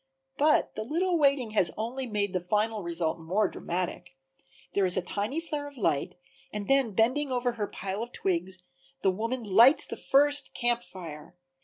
But the little waiting has only made the final result more dramatic. There is a tiny flare of light, and then bending over her pile of twigs the woman lights the first Camp Fire.